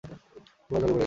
গুহা জলে ভরে গেছে।